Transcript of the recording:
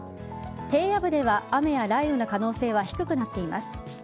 平野部では雨や雷雨の可能性は低くなっています。